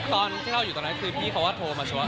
ตอนที่เราอยู่ตรงนั้นคือพี่เขาก็โทรมาชวน